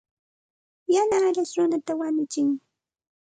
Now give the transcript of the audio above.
Yana arash runata wañutsin.